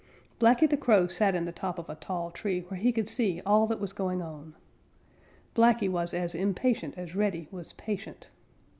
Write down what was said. Blacky the Crow sat in the top of a tall tree where he could see all that was going on. Blacky was as impatient as Reddy was patient.